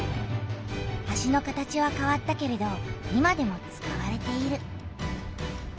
橋の形はかわったけれど今でも使われている。